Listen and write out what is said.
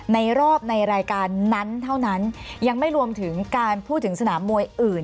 ในรอบในรายการนั้นเท่านั้นยังไม่รวมถึงการพูดถึงสนามมวยอื่น